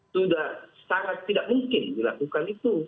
sudah sangat tidak mungkin dilakukan itu